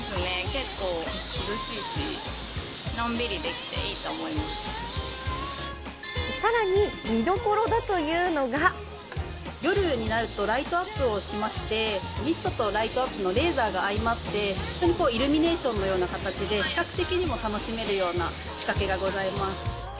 結構涼しいし、さらに、見どころだというの夜になるとライトアップをしまして、ミストとライトアップのレーザーが相まって、本当イルミネーションのような形で、視覚的にも楽しめるような仕掛けがございます。